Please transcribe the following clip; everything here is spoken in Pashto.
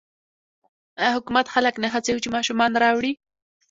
آیا حکومت خلک نه هڅوي چې ماشومان راوړي؟